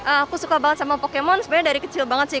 aku suka banget sama pokemon sebenarnya dari kecil banget sih